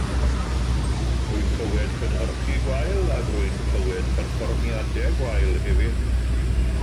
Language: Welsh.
Rwy'n clywed cynhyrchu gwael ac rwy'n clywed perfformiadau gwael hefyd.